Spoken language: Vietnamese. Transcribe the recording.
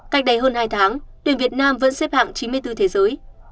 cách đây hơn hai tháng tuyển việt nam vẫn xếp hạng chín mươi bốn thế giới